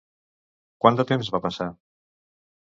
Quant de temps va passar?